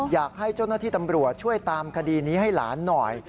อยากให้เจ้าหน้าที่ตำรวจช่วยตามคดีนี้ให้หลานหน่อย